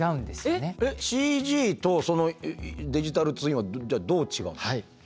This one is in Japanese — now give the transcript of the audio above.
ＣＧとそのデジタルツインはどう違うの？